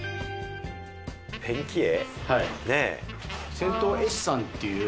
ペンキ絵？